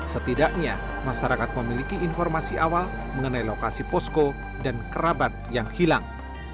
setidaknya masyarakat memiliki informasi awal mengenai lokasi posko dan kerabat yang hilang